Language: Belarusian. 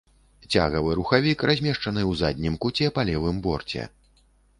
Цягавы рухавік размешчаны ў заднім куце па левым борце.